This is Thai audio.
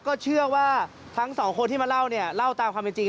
ก็เชื่อว่าทั้งสองคนที่มาเล่าเนี่ยเล่าตามความเป็นจริง